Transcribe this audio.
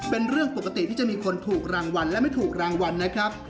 เป็นเรื่องปกติที่จะมีคนถูกรางวัลและไม่ถูกรางวัลนะครับ